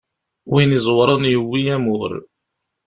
Win iẓewren yewwi amur.